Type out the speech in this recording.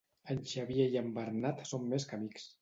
En Xavier i en Bernat són més que amics.